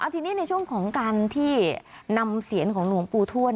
ทีนี้ในช่วงของการที่นำเสียนของหลวงปู่ทวด